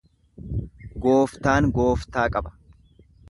Gooftaan gooftaa qaba.